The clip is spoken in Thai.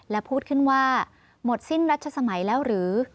และพูดขึ้นว่าหมดสิ้นรัชสมัยแล้วหรือ